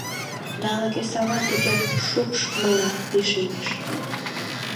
Да, ала-кӧ савар деке шупшмыла, лишемеш.